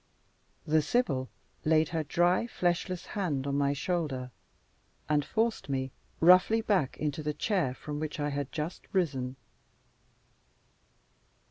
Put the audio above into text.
The Sibyl laid her dry, fleshless hand on my shoulder, and forced me roughly back into the chair from which I had just risen.